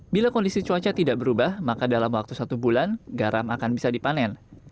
bila kondisi cuaca tidak berubah maka dalam waktu satu bulan garam akan bisa dipanen